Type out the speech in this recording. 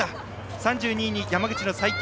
３２位に山口の西京。